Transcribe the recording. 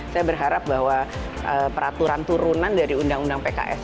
saya berharap bahwa peraturan turunan dari undang undang pks